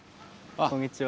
こんにちは。